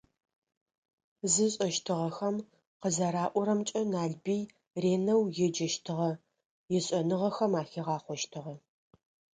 Зышӏэщтыгъэхэм къызэраӏорэмкӏэ Налбый ренэу еджэщтыгъэ, ишӏэныгъэхэм ахигъахъощтыгъэ.